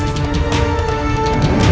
itu bakal jadi